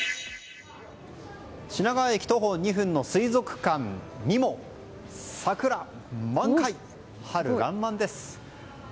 品川駅徒歩２分の水族館にも桜満開、春爛漫です。